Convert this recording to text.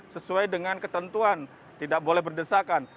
sesuai dengan ketentuan tidak boleh berdesakan